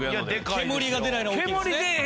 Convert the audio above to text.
煙が出ないのは大きいですね。